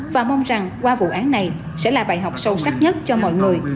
và mong rằng qua vụ án này sẽ là bài học sâu sắc nhất cho mọi người